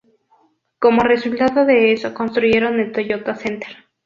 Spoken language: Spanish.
Como resultado de eso, construyeron el Toyota Center.